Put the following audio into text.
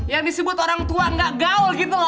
yang disebut orang tua nggak gaul gitu loh